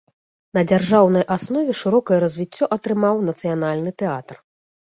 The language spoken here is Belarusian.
На дзяржаўнай аснове шырокае развіццё атрымаў нацыянальны тэатр.